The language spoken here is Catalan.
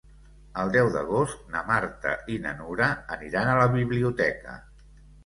El deu d'agost na Marta i na Nura aniran a la biblioteca.